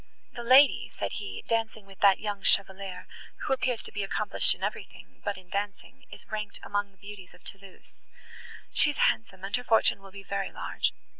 "The lady," said he, "dancing with that young Chevalier, who appears to be accomplished in everything, but in dancing, is ranked among the beauties of Thoulouse. She is handsome, and her fortune will be very large.